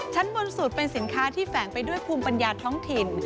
บนสุดเป็นสินค้าที่แฝงไปด้วยภูมิปัญญาท้องถิ่น